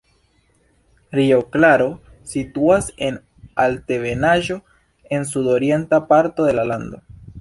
Rio Claro situas en altebenaĵo en sudorienta parto de la lando.